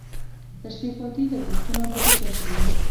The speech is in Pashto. تشریفاتي لګښتونه بودیجه خوري.